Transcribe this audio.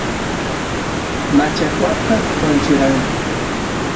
machajuay wancheranku